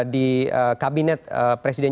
di kabinet presiden